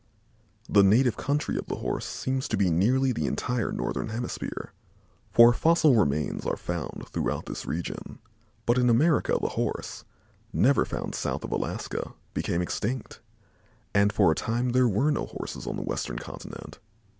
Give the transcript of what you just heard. The native country of the Horse seems to be nearly the entire northern hemisphere, for fossil remains are found throughout this region, but in America the Horse (never found south of Alaska) became extinct, and for a time there were no Horses on the western continent.